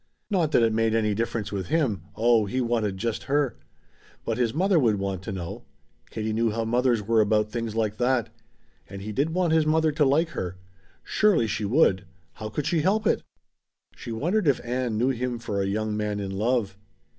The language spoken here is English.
Not that it made any difference with him oh, he wanted just her. But his mother would want to know Katie knew how mothers were about things like that. And he did want his mother to like her. Surely she would. How could she help it? She wondered if Ann knew him for a young man in love.